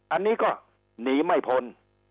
อันนี้ก็หนีไม่พ้น